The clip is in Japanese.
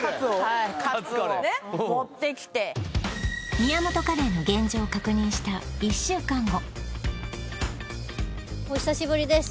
はいカツを持ってきて宮本カレーの現状を確認した１週間後お久しぶりです